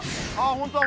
本当だ！